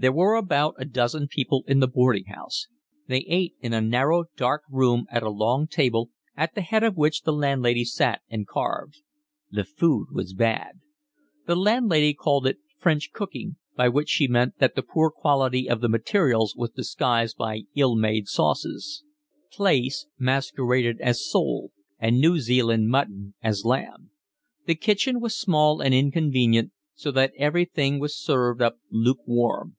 There were about a dozen people in the boarding house. They ate in a narrow, dark room at a long table, at the head of which the landlady sat and carved. The food was bad. The landlady called it French cooking, by which she meant that the poor quality of the materials was disguised by ill made sauces: plaice masqueraded as sole and New Zealand mutton as lamb. The kitchen was small and inconvenient, so that everything was served up lukewarm.